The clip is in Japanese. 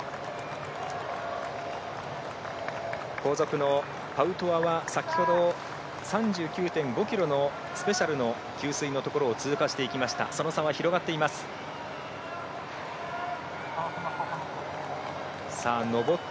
後続のパウトワは先ほど３９．５ｋｍのスペシャルの給水のところを通過していきました。